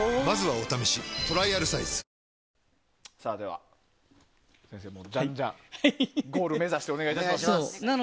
「のどごし生」先生、じゃんじゃんゴール目指してお願いします。